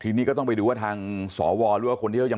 ทีนี้ก็ต้องไปดูว่าทางสวหรือว่าคนที่เขายัง